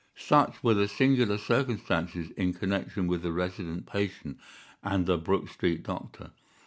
Such were the singular circumstances in connection with the Resident Patient and the Brook Street Doctor.